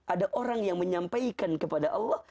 ada orang yang menyampaikan kepada allah